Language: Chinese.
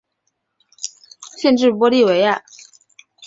县治玻利维亚。